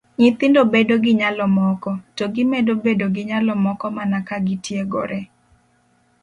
Nyithindo bedo gi nyalo moko, to gimedo bedo gi nyalo moko mana ka gitiegore.